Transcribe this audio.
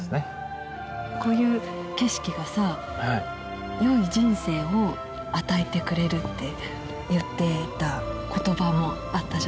こういう景色がさよい人生を与えてくれるって言っていた言葉もあったじゃない？